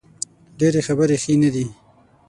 ډیرې خبرې ښې نه دي